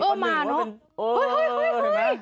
เออมาเนอะ